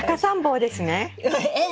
えっ？